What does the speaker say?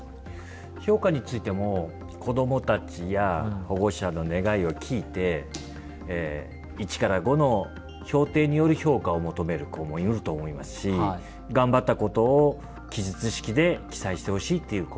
評価についても子どもたちや保護者の願いを聞いて１から５の評定による評価を求める子もいると思いますし頑張ったことを記述式で記載してほしいっていう声もあります。